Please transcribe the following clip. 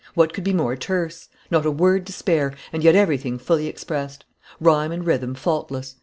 What could be more terse? Not a word to spare, and yet everything fully expressed. Rhyme and rhythm faultless.